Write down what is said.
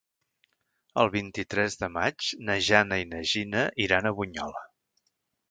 El vint-i-tres de maig na Jana i na Gina iran a Bunyola.